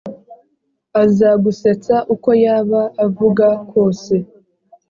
azagusetsa uko yaba avuga kose.